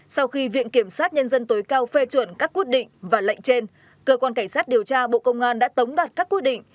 sau khi viện kiểm sát nhân dân tối cao phê chuẩn các quyết định và lệnh trên cơ quan cảnh sát điều tra bộ công an đã tống đặt các quyết định